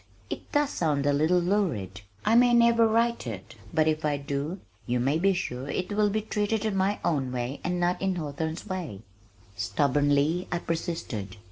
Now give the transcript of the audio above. It does sound a little lurid. I may never write it, but if I do, you may be sure it will be treated in my own way and not in Hawthorne's way." Stubbornly I persisted.